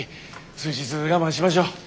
数日我慢しましょう。